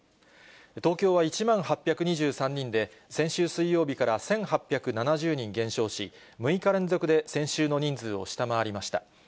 東京は１万８２３人で、先週水曜日から１８７０人減少し、６日連続で先週の人数を下回りました。